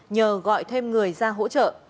nhờ gọi thêm người ra hỗ trợ